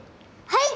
はい！